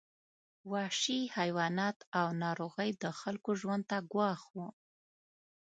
وحشي حیوانات او ناروغۍ د خلکو ژوند ته ګواښ وو.